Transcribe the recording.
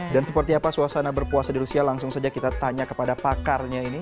dan seperti apa suasana berpuasa di rusia langsung saja kita tanya kepada pakarnya ini